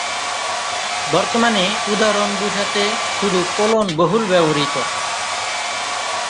বর্তমানে উদাহরণ বোঝাতে শুধু কোলন বহুল ব্যবহৃত।